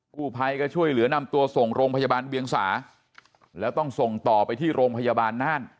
ผู้ภัยก็ช่วยเหลือนำตัวส่งโรงพยาบาลเวียงสาแล้วต้องส่งต่อไปที่โรงพยาบาลน่าน